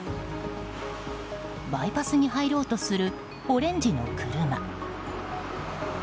バイパスに入ろうとするオレンジの車。